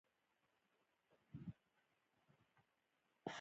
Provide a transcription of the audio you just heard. احمدشاه بابا د افغانانو ترمنځ یووالی رامنځته کړ.